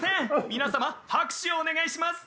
・・皆様拍手をお願いします